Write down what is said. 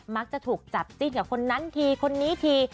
มักจะถูกจับจิ้นกับคนนั้นทีคนนี้ที